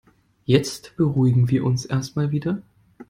Jetzt beruhigen wir uns erstmal wieder.